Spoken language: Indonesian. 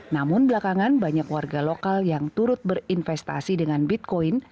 namun belakangan banyak warga lokal yang turut berinvestasi dengan bitcoin